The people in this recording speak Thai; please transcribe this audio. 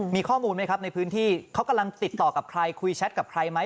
มีข้อมูลไหมครับในพื้นที่เขากำลังติดต่อกับใครคุยแชทกับใครไหม